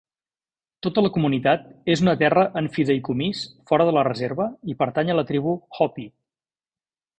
Tota la comunitat és una terra en fideïcomís fora de la reserva i pertany a la tribu Hopi.